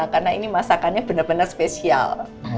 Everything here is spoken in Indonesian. karena ini masakannya benar benar spesial